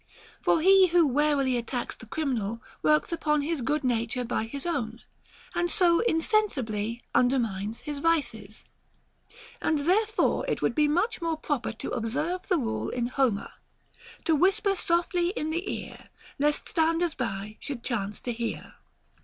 For he who warily attacks the criminal works upon his good nature by his own, and so insensibly under mines his vices. And therefore it would be much more proper to observe the rule in Homer FROM A FRIEND. 149 To whisper softly in the ear, Lest standers by should chance to hear.